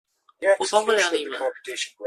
我幫不了你們